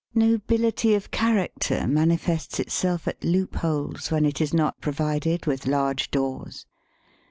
[Nobility of character manifests itself at loop holes when it is not provided with large doors.